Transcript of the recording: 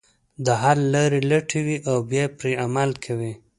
د حل لارې لټوي او بیا پرې عمل کوي.